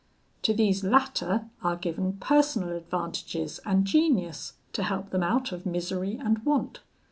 To these latter are given personal advantages and genius, to help them out of misery and want.